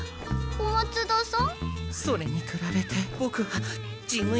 こ小松田さん。